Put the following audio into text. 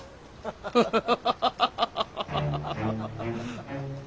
ハハハハ！